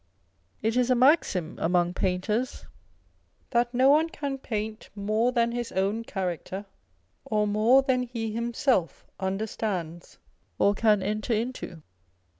It is a maxim among painters that no one can paint more than his own character, or more than he himself understands or can enter into.